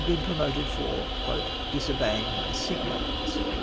been promoted for " disobeying my signals